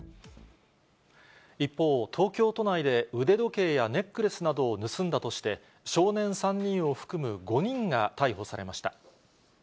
一方、東京都内で腕時計やネックレスなどを盗んだとして、少年３人を含む５人が逮捕されました。